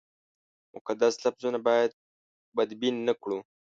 مقدس لفظونه باید بدبین نه کړو.